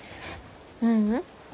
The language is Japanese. ううん。